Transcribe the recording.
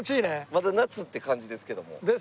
まだ夏って感じですけども。ですね。